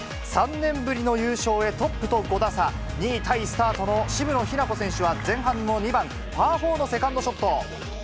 ３年ぶりの優勝へ、トップと５打差、２位タイスタートの渋野日向子選手は前半の２番パー４のセカンドショット。